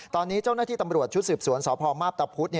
ตอนนี้เจ้าหน้าที่ตำรวจชุดสืบสวนสพมาพตะพุธ